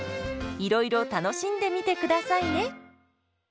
いろいろ楽しんでみてくださいね。